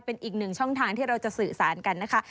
เป็นอีกหนึ่งช่องทางที่เราจะสื่อสารกันนะคะ